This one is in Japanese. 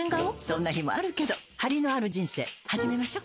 そんな日もあるけどハリのある人生始めましょ。